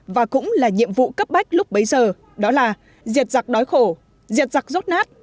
và cũng là nhiệm vụ cấp bách lúc bấy giờ đó là diệt giặc đói khổ diệt giặc rốt nát